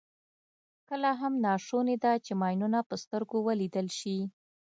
کله هم ناشونې ده چې ماینونه په سترګو ولیدل شي.